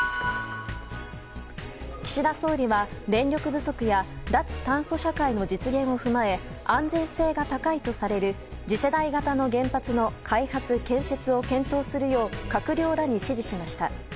岸田総理は電力不足や脱炭素社会の実現を踏まえ安全性が高いとされる次世代型の原発の開発・建設を検討するよう閣僚らに指示しました。